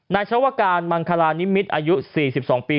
ชาวการมังคลานิมิตรอายุ๔๒ปี